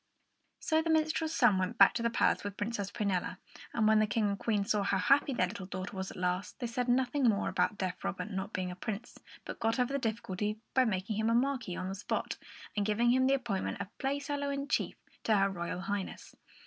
So the minstrel's son went back to the palace with Princess Prunella; and when the King and Queen saw how happy their little daughter was at last, they said nothing more about deaf Robert not being a prince, but got over the difficulty by making him a Marquis on the spot and giving him the appointment of Playfellow in chief to her Royal Highness.